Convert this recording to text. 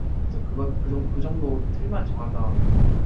But you also know that I love New York and I serve you.